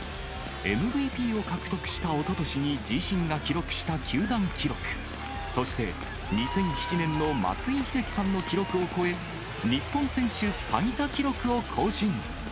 ＭＶＰを獲得したおととしに自身が記録した球団記録、そして２００７年の松井秀喜さんの記録を超え、日本選手最多記録を更新。